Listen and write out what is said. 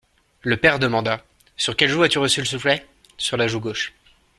Le père demanda :, Sur quelle joue as-tu reçu le soufflet ? Sur la joue gauche.